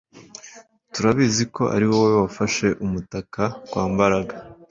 Turabizi ko ari wowe wafashe umutaka wa Mbaraga